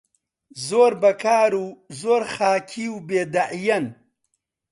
زۆر بەکار و زۆر خاکی و بێدەعیەن